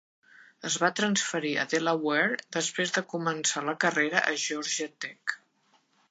Es va transferir a Delaware després de començar la carrera a Georgia Tech.